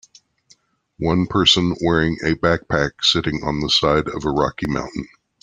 one person wearing a backpack sitting on the side of a rocky mountain.